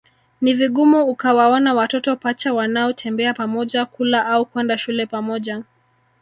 Ni vigumu ukawaona watoto pacha wanaotembea pamoja kula au kwenda shule pamoja